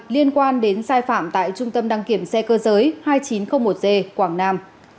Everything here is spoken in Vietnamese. liên quan đến sai phạm tại trung tâm đăng kiểm xe cơ giới hai nghìn chín trăm linh một g quảng nam